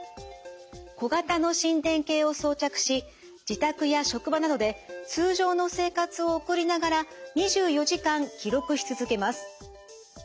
小型の心電計を装着し自宅や職場などで通常の生活を送りながら２４時間記録し続けます。